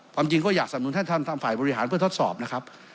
จริงก็อยากสนุนท่านทางฝ่ายบริหารเพื่อทดสอบนะครับ